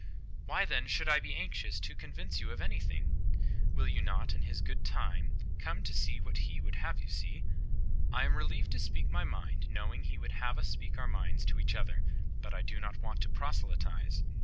Why, then, should I be anxious to convince you of anything? Will you not in His good time come to see what He would have you see? I am relieved to speak my mind, knowing He would have us speak our minds to each other; but I do not want to proselytize.